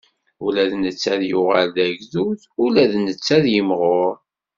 Ula d netta ad yuɣal d agdud, ula d netta ad yimɣur.